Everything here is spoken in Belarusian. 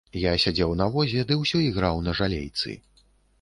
Я сядзеў на возе ды ўсё іграў на жалейцы.